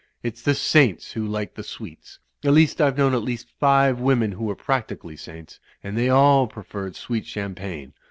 It's the Saints who like the sweets. At least I've known at least five women who were practically saints, and they all preferred sweet champagne.